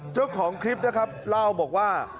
เจ้าของคลิปนะครับเล่าบอกว่า